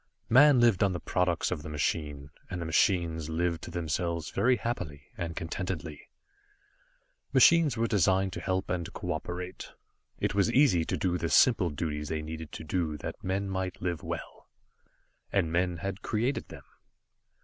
Man lived on the products of the machine, and the machines lived to themselves very happily, and contentedly. Machines are designed to help and cooperate. It was easy to do the simple duties they needed to do that men might live well. And men had created them.